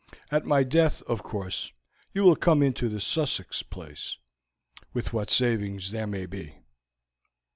At my death, of course, you will come into the Sussex place, with what savings there may be."